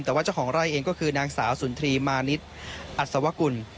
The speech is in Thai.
แต่ว่าเจ้าของไร่เองก็คือนางสาวสุนทรีย์มานิดอัศวกุล